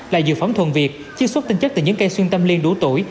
là dược phẩm thuần việt chiếc suất tinh chất từ những cây xuyên tâm liên đủ tuổi